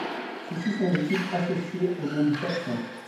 Ceux-ci sont les types associés au nom du taxon.